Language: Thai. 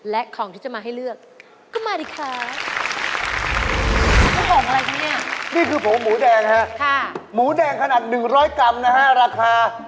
และของที่จะมาให้เลือกก็มาดีคะเนี่ย